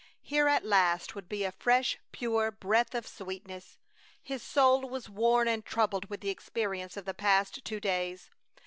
Here at least would be a fresh, pure breath of sweetness. His soul was worn and troubled with the experience of the past two days.